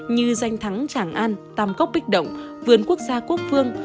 như danh thắng trảng an tàm cốc bích động vườn quốc gia quốc phương